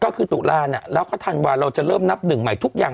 ก็คือตุลาเนี่ยแล้วก็ธันวาเราจะเริ่มนับหนึ่งใหม่ทุกอย่าง